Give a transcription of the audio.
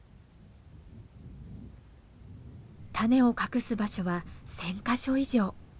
種を隠す場所は１，０００か所以上。